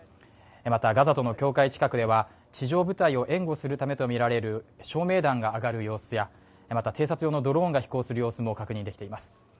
また、ガザとの境界近くでは、地上部隊を援護するためとみられる照明弾が上がる様子や、偵察用のドローンが飛行する様子も確認できています。